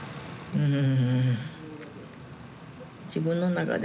うん。